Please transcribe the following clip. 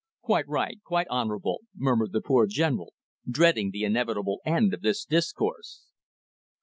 "Quite right, quite honourable!" murmured the poor General, dreading the inevitable end of this discourse.